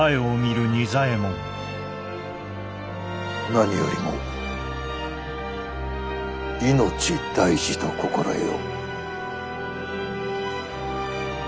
何よりも命大事と心得よ。